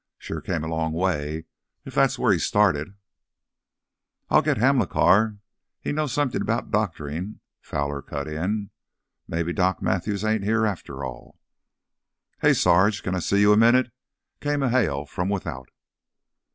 Sure came a long way if that's where he started." "I'll go get Hamilcar. He knows somethin' 'bout doctorin'," Fowler cut in. "Maybe Doc Matthews ain't here, after all." "Hey, Sarge, can I see you a minute?" came a hail from without.